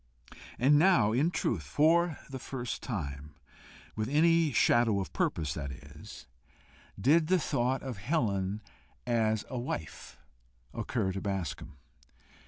And now in truth for the first time, with any shadow of purpose, that is, did the thought of Helen as a wife occur to Bascombe.